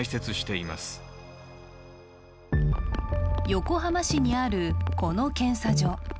横浜市にある、この検査所。